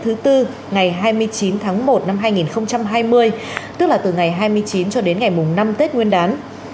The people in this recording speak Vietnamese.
tết thứ bốn ngày hai mươi chín tháng một năm hai nghìn hai mươi tức là từ ngày hai mươi chín cho đến ngày năm tết nguyên đán